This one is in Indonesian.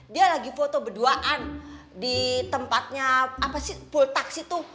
dia lagi foto berduaan di tempatnya apa sih pool taksi tuh